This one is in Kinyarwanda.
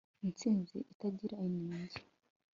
Intsinzi itagira inenge